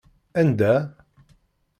Anda?